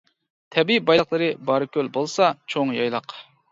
تەبىئىي بايلىقلىرى بارىكۆل بولسا چوڭ يايلاق.